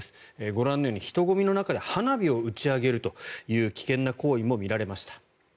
ご覧のように、人混みの中で花火を打ち上げるという危険な行為も見られました。